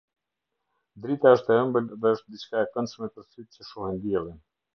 Drita është e ëmbël dhe është diçka e këndshme për sytë që shohin diellin.